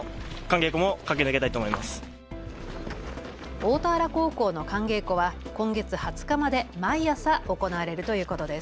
大田原高校の寒稽古は今月２０日まで毎朝行われるということです。